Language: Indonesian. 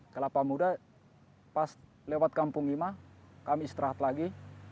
kelapa muda lewat kampung gima kami istirahat lagi